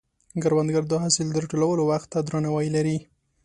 کروندګر د حاصل د راټولولو وخت ته درناوی لري